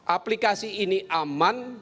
aplikasi ini aman